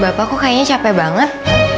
bapak kok kayaknya capek banget